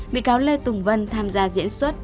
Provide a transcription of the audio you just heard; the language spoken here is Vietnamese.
bị cáo lê tùng vân tham gia diễn xuất